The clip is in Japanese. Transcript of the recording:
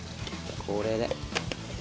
「これで」